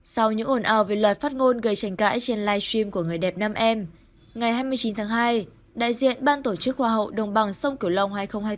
sau những ồn ào về loạt phát ngôn gây tranh cãi trên live stream của người đẹp nam em ngày hai mươi chín tháng hai đại diện ban tổ chức hoa hậu đồng bằng sông cửu long hai nghìn hai mươi bốn